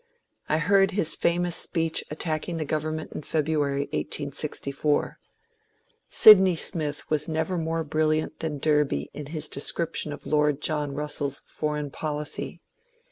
I heard his famous speech attacking the government in Feb ruary, 1864. Sydney Smith was never more brilliant than Derby in his description of Lord John Russell's foreign policy.